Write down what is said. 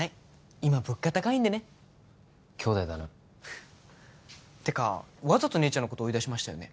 今物価高いんでね姉弟だなてかわざと姉ちゃんのこと追い出しましたよね？